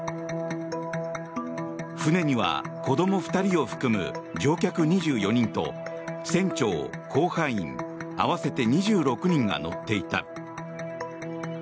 船には子ども２人を含む乗客２４人と船長、甲板員合わせて２６人が乗っていた。